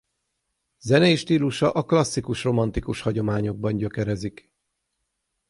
Zenei stílusa a klasszikus-romantikus hagyományokban gyökerezik.